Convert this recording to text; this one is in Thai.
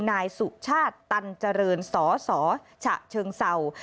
นายสุชาติตันเจริญสสฉะเชิงเศร้า